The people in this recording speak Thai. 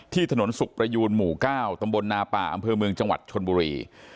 ถนนสุขประยูนหมู่๙ตำบลนาป่าอำเภอเมืองจังหวัดชนบุรี